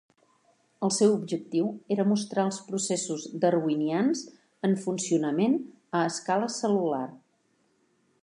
El seu objectiu era mostrar els processos darwinians en funcionament a escala cel·lular.